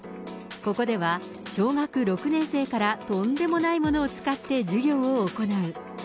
ここでは、小学６年生からとんでもないものを使って授業を行う。